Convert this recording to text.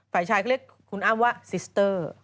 ฝ่ายชายก็เรียกคุณอ้ำว่าซิสเตอร์